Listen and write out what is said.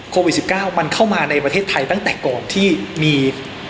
โควิด๑๙มันเข้ามาในประเทศไทยตั้งแต่ก่อนที่มี